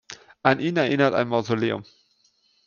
An ihn erinnert ein Mausoleum.